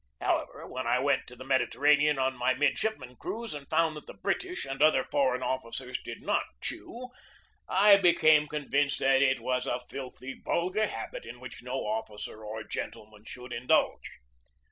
However, when I went to the Mediterranean on my midshipman cruise and found that the British and other foreign officers did not chew, I became convinced that it was a filthy, vulgar habit in which no officer or gentleman should indulge.